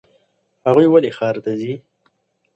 هغوی ولې ښار ته ځي؟